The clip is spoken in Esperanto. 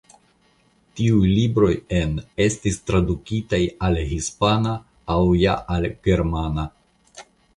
Tiuj libroj en estis tradukitaj al hispana sed ja al germana.